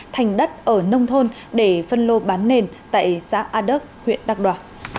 thành đất ở nông thôn để phân lô bán nền tại xã a đức huyện đắk đoa